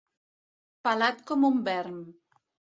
Pelat com un verm.